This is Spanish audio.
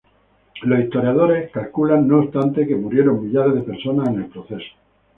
Los historiadores calculan no obstante que murieron millares de personas en el proceso.